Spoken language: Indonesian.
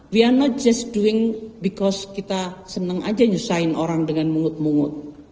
we are not just doing because kita seneng aja nyusahin orang dengan mungut mungut